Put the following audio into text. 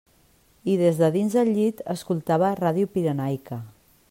I des de dins el llit escoltava Ràdio Pirenaica.